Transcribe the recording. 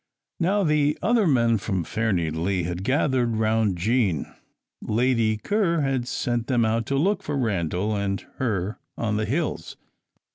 Now the other men from Fairnilee had gathered round Jean. Lady Ker had sent them out to look for Randal and her on the hills.